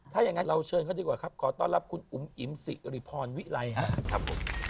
ถ้าอย่างนั้นเราเชิญเขาดีกว่าครับขอต้อนรับคุณอุ๋มอิ๋มสิริพรวิไลครับผม